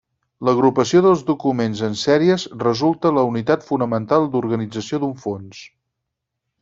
L'agrupació dels documents en sèries resulta la unitat fonamental d'organització d'un fons.